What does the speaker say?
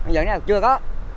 giờ này là chưa có